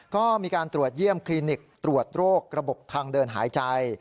ก็มีการตรวจเยี่ยมคลินิกตรวจโรคระบบทางเดินหายใจ